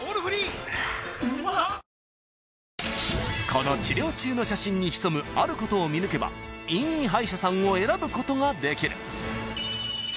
［この治療中の写真に潜むあることを見抜けばいい歯医者さんを選ぶことができる］